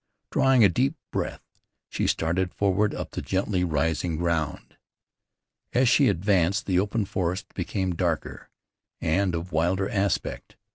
Drawing a deep breath she started forward up the gently rising ground. As she advanced the open forest became darker, and of wilder aspect.